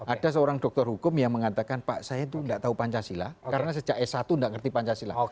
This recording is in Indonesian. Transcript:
ada seorang dokter hukum yang mengatakan pak saya itu tidak tahu pancasila karena sejak s satu tidak ngerti pancasila